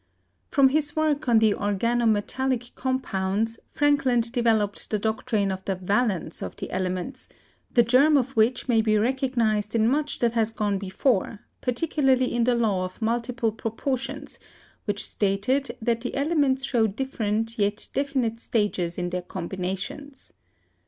From his work on the organo metallic compounds, Frankland developed the doctrine of the valence of the elements, the germ of which may be recognized in much that has gone before, particularly in the law of multiple proportions, which stated that the elements show different yet definite stages in their combinations.